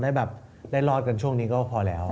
ได้แบบได้รอดกันช่วงนี้ก็พอแล้ว